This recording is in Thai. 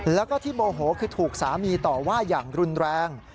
แล้วก็ที่โมโหคือถูกสามีต่อว่าอย่างรุนแรง